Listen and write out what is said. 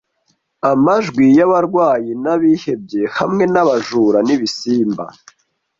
Amajwi y'abarwayi n'abihebye hamwe n'abajura n'ibisimba,